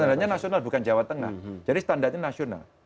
standarnya nasional bukan jawa tengah jadi standarnya nasional